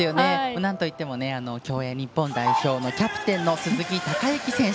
なんといっても競泳日本代表のキャプテンの鈴木孝幸選手。